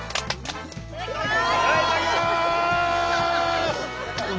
いただきます！